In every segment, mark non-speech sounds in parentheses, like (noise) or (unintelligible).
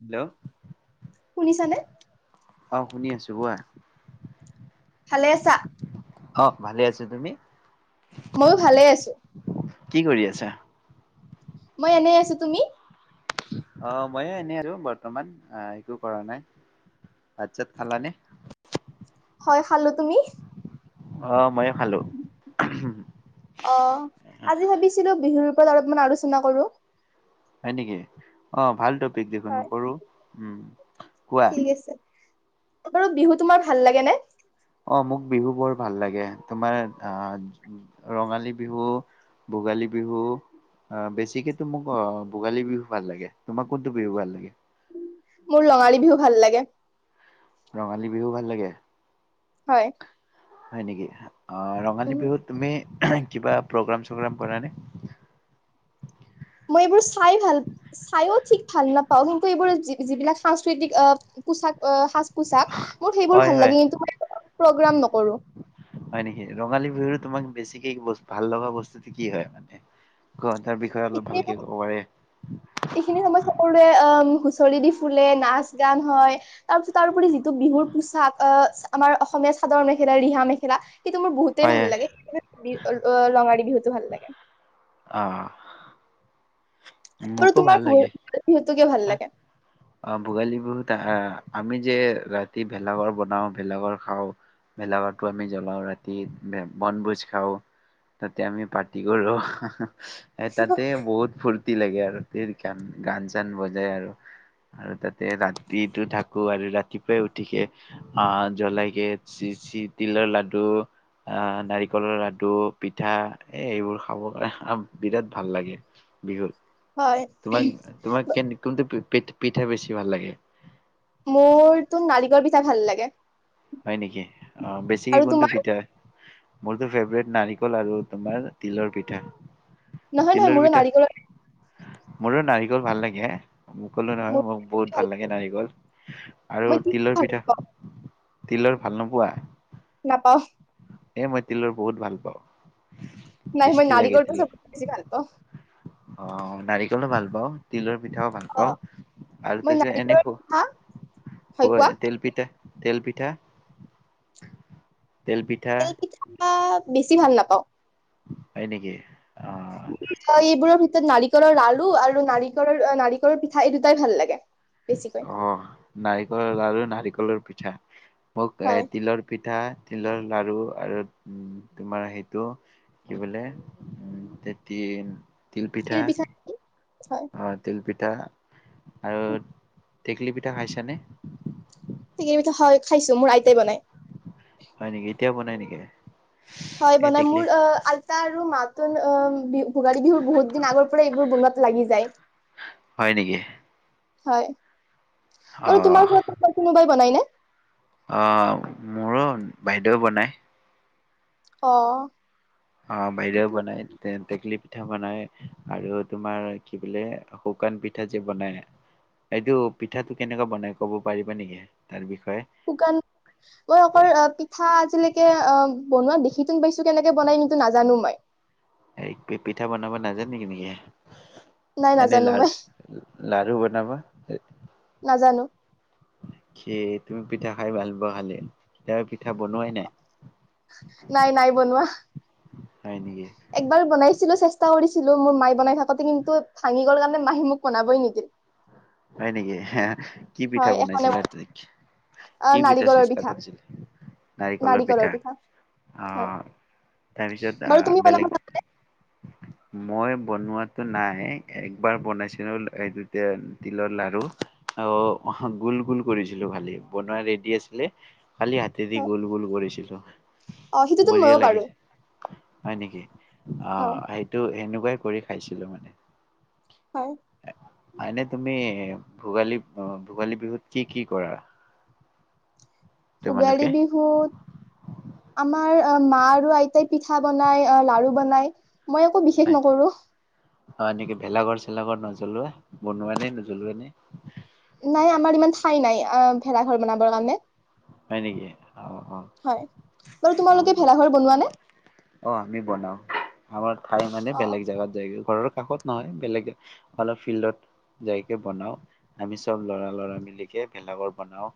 Hello! শুনিছানে? অ'! শুনি আছোঁ কোৱা? ভালে আছা? অ'! ভালে আছোঁ। তুমি? মইয়ো ভালে আছোঁ। কি কৰি আছা? মই এনেই আছো তুমি। অ ময়ো এনে আছো বৰ্তমান আহ একো কৰা নাই ভচছাত খালানে। হয় খালো তুমি। অ মই। অ আজি ভাবিছিলো বিহুৰ। ৰত অলপমান আলোচনা কৰো। হয় নেকি অ ভাল তটো। দেখ হয় নকৰো উম কোৱা। ঠিক আছে বাৰু বিহু তোমাৰ ভাল লাগে নে। অ মোক বিহু বৰ ভাল লাগে তোমাৰ আহ ৰঙালী বিহু ভোগালী বিহু আহ বেছিকেতো মোক আহ ভোগালী বিহু ভাল লাগে তোমাৰ কোনটো বিহু ভাল লাগে। মোৰ লঙালী বিহু ভাল লাগে। ৰঙালী বিহু ভাল লাগে। হয় হয় নেকি। ৰঙালী উম বিহুত তুমি। কিবা প্ৰগ্ৰাম চগ্ৰাম কৰা নে। মই এইবোৰ চাই ভাল চাইো ঠিক ভাল নাপাও কিন্তু এইবোৰ যিবিলাক সাংস্কৃতিক পোচাক। মোৰ সেইবোৰ হয় ভাল হয় লাগে কিন্তু মই প্ৰগ্ৰাম নকৰো। হয় নেকি? ৰঙালী বিহুৰ তোমাক বছিিকস ভাল লগা বস্তুতে কি হয় মান গ। এইখিন সময় এইখিনি সময়ত সকলোৱে অ। হুচৰি দি ফুলে নাচ গান হয় তাৰ পিছত তাৰোপৰি যিটো বিহুৰ পোচাক আহ আমাৰ অসমীয়া চাদৰ মেখেলা ৰিহা মেখেলা। কিন্তু মোৰ বহুতেই হয় ভাল হয়। লাগে বি লঙাৰী বিহুত। ভাল লাগে। আহ বাৰু মোকো তোমাৰ ভাল বিহু লাগে বিহুটো কিয় ভাল হা লাগে অ ভোগালী বিহুত আহ। আমি যে ৰাতি ভেলাঘৰ বনাওঁ ভেলাঘৰ খাওঁ ভেলাঘৰটো আমি জ্বলাওঁ ৰাতি বনভোজ খাওঁ তাতে আমি পাৰ্টি কৰোঁ। এ তাতে বহুত ফূুৰ্তি। লাগে আৰু তি গান গান চান বজাই আৰু আৰু তাতে ৰাতিতটো থাকো আৰু ৰাতিপুৱাই উঠিকে আহ জ্বলাইকে চ চি তিলৰ লাডু আহ নাৰিকলৰ লাডু পিঠা এ এইবোৰ খাব কাৰণ বিৰাট ভাল লাগে। বিহুল হয় তোমাক তোমাক কে ন কোমতে। পি পিঠে বেছি ভাল লাগে। মোৰ তো নাৰিকল পিঠাই ভাল লাগে। হয় নেকি অ বেছিকে আৰু কোনটো তোমাৰ পিতৈয়। মোৰতো ফেভাৰেট নাৰিকল আৰু তোমাৰ তিলৰ পিঠা। নহয় নহয় তিলৰ মোৰ পিঠা নাৰিকল। মোৰো নাৰিকল ভাল লাগে। মৈই কলো নহয় মোক বহুত ভাল লাগে নাৰিকল আৰু মই কি তিলৰ ভাল পিঠা। পাওঁ তিলৰ ভাল নোপোৱা। নাপাওঁ। এ, মই তিলৰ বহুত ভাল পাওঁ। নাই মই টেষ্টি লাগে নাৰিকলটো তিলৰ ছবছে বেছি ভাল পাও । অ, নাৰিকলো ভাল পাওঁ তিলৰ। পিঠাও ভাল অ পাওঁ আৰু মই তাৰপিছত এনে নাৰিকলৰ পিঠা হয় খ কোৱা তেল পিঠা। তেলপিঠা। তেল পিঠা। বেছি ভাল নাপাওঁ। হয় নেকি? অ' এইবোৰৰ ভিতৰত নাৰিকলৰ ল়ু আৰু নাৰিকলৰ নাৰিকলৰ পিঠা এই দুটাই ভাল লাগে। বেছিকৈ অ, নাৰিকল লাৰু নাৰিকল। কলৰ পিঠা। মোক হয় তিলৰ পিঠা। তিলৰ লাৰু আৰু তোমাৰ সেইটো কি বোলে, উম তেতি। তিলপিঠা। তিল পিঠা নেকি? হয় অ, তিল। পিঠা আৰু টেকেলী পিঠা খাইছানে? তেকেলি পিঠা খাইছো মোৰ আইতাই বনাই। হয় নেকি, এতিয়া বনাই নেকি? হয় এই বনাই, টেকলি মোৰ অ আলতা আৰু মাক নতুন অ বিহু ভোগালী বিহুৰ বহুত দিন আগৰ পৰাই এইবোৰ বনত লাগি যায়। হয় নেকি? হয়। বাৰু অ' তোমাৰ ঘৰত কোনোবাই কোনোবাই । বনাই নে? অ, মোৰো বাইদেউও বনাই। অঁ। অ', বাইদেউ বনাই টেকলি পিঠা বনাই, আৰু তোমাৰ কি বোলে শুকান পিঠা যে বনাই এইটো পিঠাটো কেনেকুৱা বনাই ক'ব পাৰিবা নেকি তাৰ বিষয়ে। শুকান মই অকল পিঠা আজিলৈকে অ বনোৱা দেখি। সটো পাইছো কেনেকে বনাই নন্তু নাজানো মই। এই পিঠা বনাব নাজান নেকি নেকি। নাই এনে নাজানো লাৰ মই লাৰু বনাব । নাজানো স তুমি পিঠা খাই ভাল পোৱা খালি পিঠা বনোৱাই নাই' নাই নাই বনোৱা। হয় নেকি একবাৰ বনাইছিলো চেষ্টা কৰিছিলো মোৰ মায়ে বনাই থাকোতে কিন্তু ভাঙি গ'ল কাৰণে মাহী মোক বনাবই নিদিল। হয় নেকি। কি পিঠা হয় এখনে বনাইছিলে আ তাই অ কি পিঠা নাৰিকলৰ চেষ্টা কৰিছিলে নাৰিকলৰ পিঠা হয় আহ তাৰপিছত বাৰু আহ তুমি বনাব বেলেগ। জানানে? মই বনোৱাাতটো নাই, একবাৰ বনাইছিলো এই দুটা তিলৰ লাৰু। অহ গোল-গোল কৰিছিলো ভালি বনোৱা ৰেডি আছিলে। কালি হাতে দি হয় গোল-গোল কৰিছিলো। অ সেইটোতো বঢ়িয়া ময়ো পাৰো। লাগিছে হয় নেকি? অহ, হয় সেইটো সেনে াই কৰি খাইছিলো মানে। হয় হয়নে তুমি ভোগালী-ভোগালী বিহুত কি-কি কৰা? ভোগালী তোমালোকে বিহুত, আমাৰ অহ, মা আৰু আইতাই পিঠা বনাই অহ লাৰু বনাই। মই একো বিশেষ হয়। নকৰো অহ নেকি ভেলাঘৰ চেলাঘৰ নজ্বলোৱা? বনোৱা নে নজ্বলুৱা নে? নাই, আমাৰ ইমান ঠাই নাই অহ ভেেলাঘৰ বনাবৰ কাৰণে। হয় নেকি? অহ-অহ। হয় বাৰু অহ তোমালোকে ব ভেলাঘৰ বনোৱা নে অহ, আমি বনাও, আমাৰ ঠাই মানে অ বেলেগ জোগাত জয়গে ঘৰৰ কাষত নহয়, বেলেগ অলপ ফিল্ডত যাইকে বনাওঁ। আমি চব ল'ৰা-ল'ৰা মিলিকে ভেলগৰ বনাওঁ।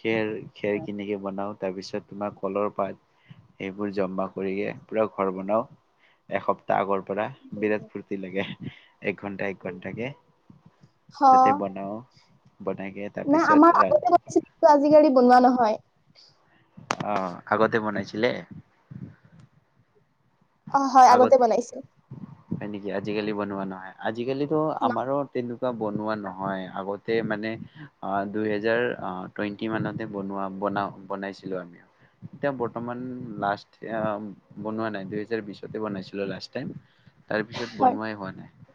খেৰ খেৰ কিনিকে বনাও। তাৰ পিছত তোমাৰ কলৰ পাত সেইবোৰ জমা কৰিয়ে পুৰা ঘৰ বনাও। এসপ্তাহ আগৰ পৰা বিৰাট ফূুৰ্তি লাগে। এক ঘণ্টা-এক ঘণ্টা কে, অ ততে বনাও। বনাইকে নাই তাৰপিছত আমাৰ ৰাতি আগতে (unintelligible) আজিকালি বনোৱা নহয়। অহ, আগতে বনাইছিলে? অ হয় আগত আগতে বনাইছিল ন হয় নেকি? আজিকালি বনোৱা না আজিকালি ত আমাৰো তেনে বনোৱা নহয়, আগতে মানে আহ দুই হেজাৰ আহ টুৱেন্টি মানতে বনোৱা ব বনাইছিলো আমি এতিয়া বৰ্তমান লাষ্ট বনোৱা নাই দুহেজাৰ বিশ বনাইছিলো লাষ্ট টাইম। তাৰপিছত হয়। বনোৱাই হোৱা নাই।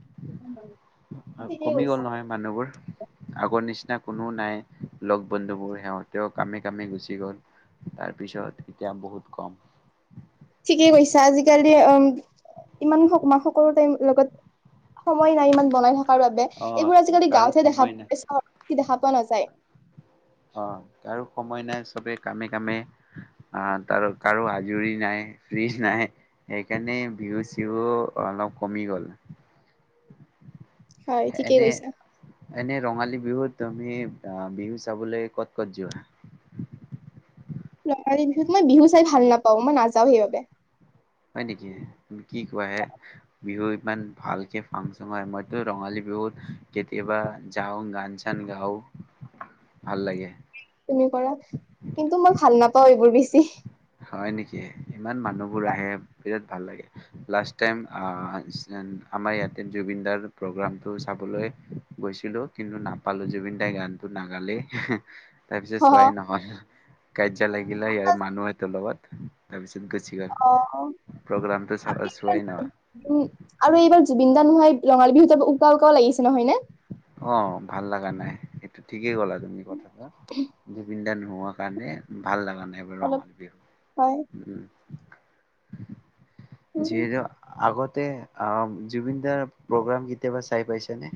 (inaudible) আৰু ঠিকেই কমি গ'ল কৈছা নহয় মানুহবোৰ। আগৰ নিচিনা কোনো নাই, লগ বন্ধুবোৰ সিহতে কামে-কামে গুচি গ'ল তাৰপিছত এতিয়া বহুত কম। ঠিকেই কৈছা, আজিকালি উ ইমান মা সকলো টাইম লগত সময় নাই ইমান বনাই থকাৰ বাবে, অ এইবোৰ আজিকালি কাৰো গাওঁতেহে দেখা সময় নাই পোৱা চহৰত দেখা পোৱা নাযায়। অহ কাৰো সময় নাই। চবে কামে-কামে আহ তো কাৰো আজৰি নাই, ফ্ৰীজ নাই, সেইকাৰণে বিহু-চিহু অলপ কমি গ'ল। হয় ঠিকেই কৈছা এনে-এনে ৰঙালী বিহুত তুমি আহ বিহু চাবলৈ ক'ত, ক'ত যোৱা ৰঙালী বিহুত মই বিহু চাই ভাল নাপাও, মই নাযাওঁ সেইবাবে হয় নেকি কি কোৱাহে বিহু ইমান ভালকে ফাংচন হয়। মইতো ৰঙালী বিহুত কেতিয়াবা যাও, গান-চান গাও ভাল লাগে । তুমি কৰা, কিন্তু মই ভাল নাপাও এইবোৰ বেছ ছি। হয় নেকি, ইমান মানুহবোৰ আহে বিৰাট ভাল লাগে লাষ্ট টাইম আহ আমাৰ ইয়াতে জুবিন দাৰ প্ৰগ্ৰামটো চাবলৈ গৈছিলো, কিন্তু নাপালো জুবিন দাই গানটো নাগালে। তাৰপিছত অ চোৱাই নহ'ল। গাইজ লাগিলে ইয়াৰ মানুহ আনি লগত তাৰ পিছত গুচি অ গ'ল, প্ৰগ্ৰামটো চোৱাই উম আৰু নহ'ল। এইবাৰ জুবিন দা নোহোৱাই ৰঙালী বিহুটো উকা-উকাও লাগিছে নহয় নে? অ' ভাল লগা নাই এইটো ঠিক । কি ক'লা তুমি কথাটা জুবিন দা- নোহোৱা কাৰণে ভাল লাগা নাই বাৰু অলপ ৰঙালী হয় বিহু। উম, যিহেতু আগত তে আৰব জুবিন দাৰ প্ৰগ্ৰাম কেতিয়াবা চাই পাইছে নে?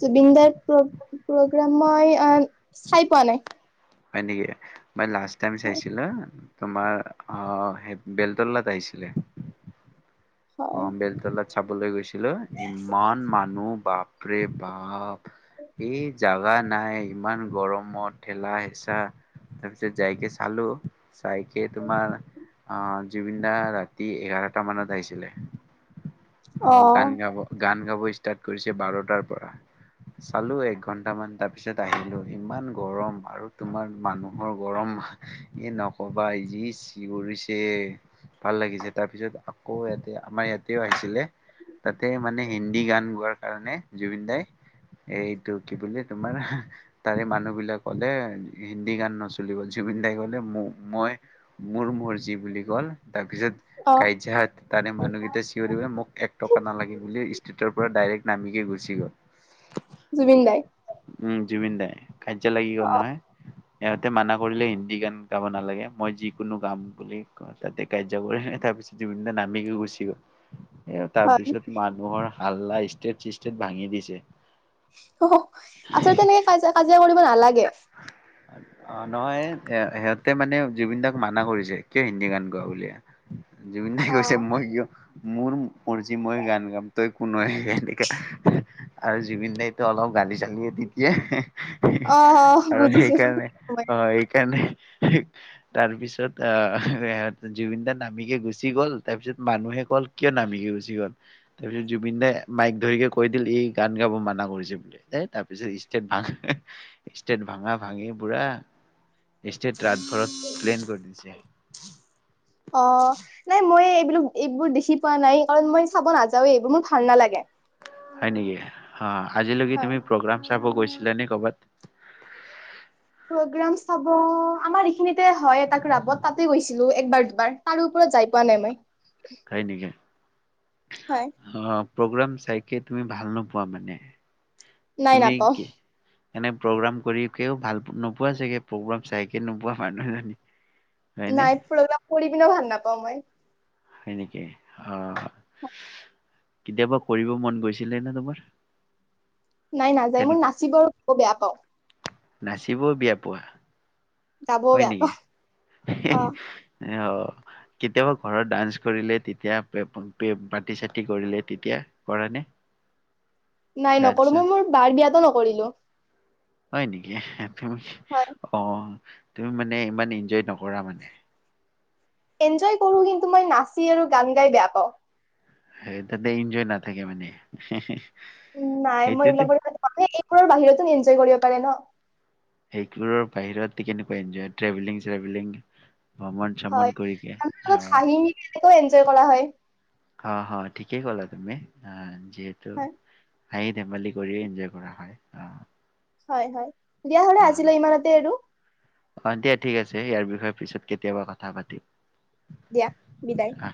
জুবিন দাৰ প্ৰগ্ৰাম মই অ'চাই পোৱা নাই । হয় নেকি? মই লাষ্ট টাইম চাইছিলো । তোমাৰ আহ সেই বেলতলাত আহিছিলে। হয় অ' বেলতলাত । চাবলৈ গৈছিলো, ইমান মানুহ বাপৰে-বাপ। এই জাগা নাই, ইমান গৰমত ঠেলা-হেঁচা তাৰপিছত যাইকে চালো। চাইকে তোমাৰ অ' জুবিন দা ৰাতি এঘাৰটা মানত আহিছিলে। অ' গান গাব গান। গাব ষ্টাৰ্ট কৰিছে বাৰটাৰ পৰা, চালো এক ঘন্টামান তাৰপিছত আহিলো । ইমান গৰম আৰু তোমাৰ মানুহৰ গৰম এই নকবা যি চিঞৰিছে ভাল লাগিছে তাৰ পিছত আকৌ এট আমাৰ ইয়াতেও আহিছিলে, তাতে মানে হিন্দী গান গোৱাৰ কাৰণে জুবিন দাই, এইটো কি বুলি তোমাৰ তাৰে মানুহ বিলাক ক'লে হিন্দী গান নচলিব। জুবিন দাই কলে মই মোৰ মৰযি বুলি ক'ল। তাৰপিছত গাড়ীত যাই হাত তাৰে অ মানুহকেইটা চিঞৰিব মোক এক টকা নালাগে বুলি ষ্ট্ৰিটেতৰ পৰা ডাইৰেক্ট নামিকে গুচি গ'ল জুবিন দাই উম জুবিন দাই কাইজ্জা লাগি গ'ল নহয় ইহঁতে মানা কৰিলে হিন্দী গান গাব নালাগে মই যিকোনো গাম বুলি তাতে কাইজ্জা কৰি তাৰ পিছত জুবিন দা না দিগি গুছি গ এ তাৰ হয় পিছত মানুহৰ আল্লাহ ইষ্টেট চিষ্টেট ভাঙি দিছে অহহ আচলতে তেনে কাজিয়া কাজিয়া কৰি হে নালাগে অ নহয় এ সিহঁতে মানে জুবিন দাক মানা কৰিছে কিয় হিন্দী গান গোৱা বুলি জুবিন দাই অ কৈছে মই কিয় মোৰ মৰ্জি মই গান গাম তই কোন হয় এনেকা আৰু জুবিন দাইটো অলপ গালি চালিয়ে দি দিয়ে অ অ আৰু সেইকাৰণে অ সেইকাৰণে হেক তাৰ পিছত আহ ৰে জুবিন দা নামিকে গুচি গ'ল তাৰ পিছত মানুহে কল কিয় নামিকে গুচি গ'ল তাৰ পিছত জুবিন দাই মাইক ধৰিকে কৈ দিলে ই গান গাব মানা কৰিছে বুলি দেই তাৰপিছত ষ্টেট ভা ষ্টেট ভাঙা ভাঙি পুৰা ষ্টেট ৰাতভৰত প্লেন কৰি দিছে অ (unintelligible) এইবোৰ দেখি পোৱা নাই কাৰণ মই চাব নাযাওৱেই এইবোৰ মোৰ ভাল নালাগে হয় নেকি আহ আজিলৈকে হয় তুমি প্ৰগ্ৰাম চাব গৈছা যেনে ক'বাত প্ৰগ্ৰাম চাব আমাৰ খিনিতে হয় এটা ৰাবত তাতে গৈছিলো একবাৰ বাৰ আৰো ওপৰত যাই পোৱা নাই মই হয় নিকি হয় অ প্ৰগ্ৰাম চাইকে তুমি ভাল নোপোৱা মানে নাই তুমি নাপাও কি এনে প্ৰগ্ৰাম কৰি কেও ভাল নোপোৱা চাগে প্ৰগ্ৰাম চাইকে নোপোৱা মানুহজনী হয়নে নাইট ফ প কৰি কিনে ভাল নাপাওঁ মই সনেকে অহ কেতিয়াবা কৰিব মন গৈছিলে নে তোমাৰ নাই নাযায় মোৰ নাচিব ক বেয়া পাওঁ নাচিব বিয়া পোৱা গাবও হয় বেয়া নেকি? পাও অ অ কেতিয়াবা ঘৰত ডান্স কৰিলে তেতিয়া পাৰ্তি চাতি কৰিলে তেতিয়া কৰা নে? নাই ডান্স নকৰো মই চান্স মোৰ বাৰ বিয়াতটো নকৰো। পঢ়িলো। হয় নেকি? অ তুমি মানে ইমান এনজয় নকৰা মানে? এনজয় কৰো কিন্তু মই নাচি আৰু গান গাই বেয়া পাওঁ। সেই তাতে এনজয় না থাকে মানে, নাই মই সেইটোতে এইবিলাকৰ, ঘৰ বাহিৰতো এন্জয় কৰিব পাৰে ন। সেইবোৰৰ বাহিৰত কেনেকুৱা এনজয় ট্ৰেভেলিং চেভেলিং ভ্ৰমণ চমন হয় কৰিকে আ লগত অ', হাঁহি মিলিনেক এনজয় কৰা হয়। অ অ ঠিকেই ক'লা তুমি। যিহেতু, হয়, খাই ধেমালি কৰি এনজয় কৰা হয়। আহ, হয় হয় দিয়া হলে আছিলে ইমানতে আৰু। অ দিয়া ঠিক আছে ইয়াৰ বিষয়ে পিছত কেতিয়াবা কথা পাতিম। দিয়া বিদায়। আহ।